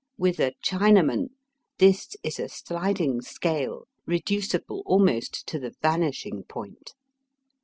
With a Chinaman this is a sHding scale reducible almost to the vanishing point.